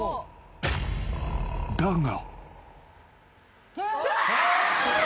［だが］